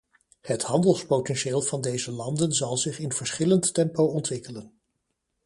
Het handelspotentieel van deze landen zal zich in verschillend tempo ontwikkelen.